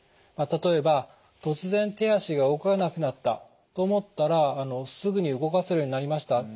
例えば突然手脚が動かなくなったと思ったらすぐに動かせるようになりました。